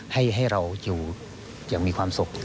ให้เราอยู่อย่างมีความสุข